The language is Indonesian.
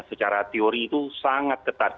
secara teori itu sangat ketat